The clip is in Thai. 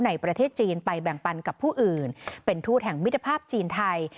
ในประเทศจีนไปแบ่งปันกับผู้อื่นเป็นทูตแห่งมิตรภาพจีนไทย